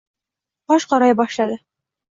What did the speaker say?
Qosh qoraya boshladi.